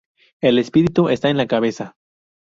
El espíritu está en la cabeza.